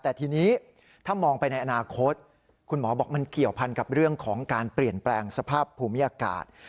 แต่ทีนี้ถ้ามองไปในอนาคตคุณหมอบอกมันเกี่ยวพันกับเรื่องของการเปลี่ยนแปลงสภาพภูมิอากาศ